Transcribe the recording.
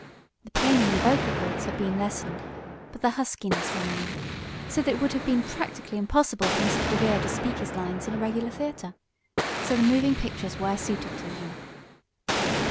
The pain in the vocal chords had been lessened, but the huskiness remained, so that it would have been practically impossible for Mr. DeVere to speak his lines in a regular theater. So the moving pictures were suited to him.